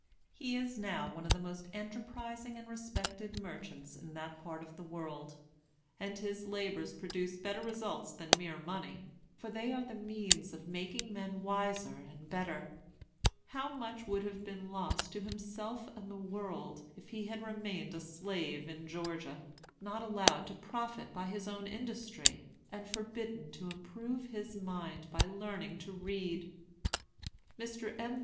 He is now one of the most enterprising and respected merchants in that part of the world; and his labors produce better results than mere money, for they are the means of making men wiser and better. How much would have been lost to himself and the world if he had remained a slave in Georgia, not allowed to profit by his own industry, and forbidden to improve his mind by learning to read! Mr. M.